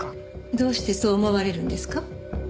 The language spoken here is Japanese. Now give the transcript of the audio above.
どうしてそう思われるんですか？